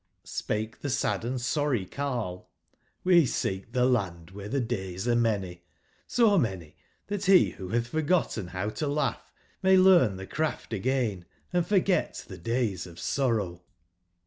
Spake the sad & sorry carle: ''Qle seek the Land where the days are many: so many that he who hath forgotten how to laugh, may learn the craft again, and forget the days of Sorrow."